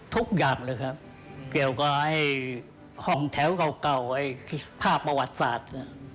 ทุกอย่างเลยครับเกี่ยวกับห้องแถวเก่าภาพประวัติศาสตร์